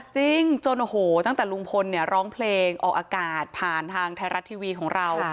จริงจนโอ้โหตั้งแต่ลุงพลเนี่ยร้องเพลงออกอากาศผ่านทางไทยรัฐทีวีของเรา